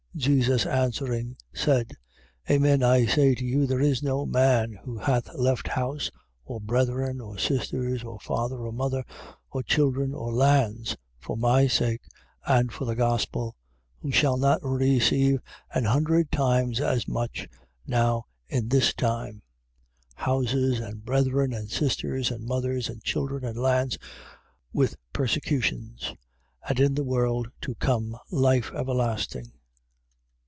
10:29. Jesus answering said: Amen I say to you, there is no man who hath left house or brethren or sisters or father or mother or children or lands, for my sake and for the gospel, 10:30. Who shall not receive an hundred times as much, now in this time: houses and brethren and sisters and mothers and children and lands, with persecutions: and in the world to come life everlasting.